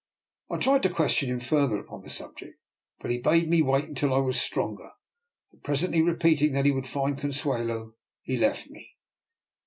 I tried to question him further upon the subject, but he bade me wait until I was stronger, and, presently repeating that he would find Consuelo, he left me.